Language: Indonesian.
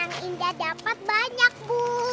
yang indah dapat banyak bu